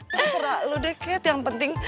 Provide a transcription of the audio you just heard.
terserah lu deh kat yang penting